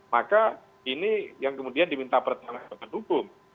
maka ini yang kemudian diminta pertanggung jawab hukum